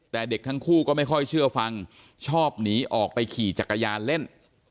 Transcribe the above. แต่เด็กทั้งคู่ก็ไม่ค่อยเชื่อฟังชอบหนีออกไปขี่จักรยานเล่น